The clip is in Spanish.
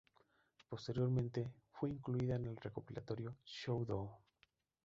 Posteriormente, fue incluida en el recopilatorio "Showdown".